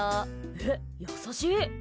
え、優しい！